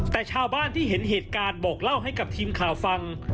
แต่ชาวบ้านที่เห็นเหตุการณ์บอกเล่าให้กับทีมข่าวฟัง